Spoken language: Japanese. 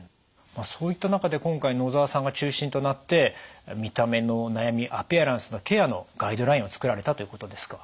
そういった中で今回野澤さんが中心となって見た目の悩みアピアランスのケアのガイドラインを作られたということですか？